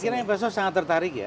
saya kira investor sangat tertarik ya